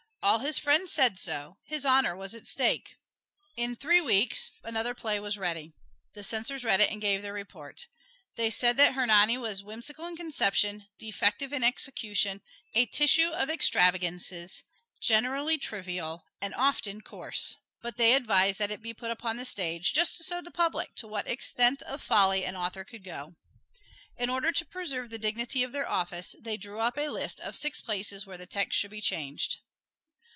All his friends said so; his honor was at stake. In three weeks another play was ready. The censors read it and gave their report. They said that "Hernani" was whimsical in conception, defective in execution, a tissue of extravagances, generally trivial and often coarse. But they advised that it be put upon the stage, just to show the public to what extent of folly an author could go. In order to preserve the dignity of their office, they drew up a list of six places where the text should be changed.